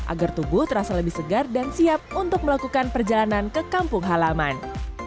agar tubuh terasa lebih segar dan siap untuk melakukan perjalanan ke kampung halaman